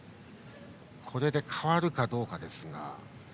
これで変わるかどうかですが。